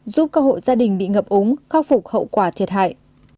gây ngập úng khắc phục hậu quả thiệt hại